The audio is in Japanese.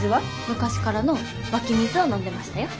昔からの湧き水を飲んでましたよ。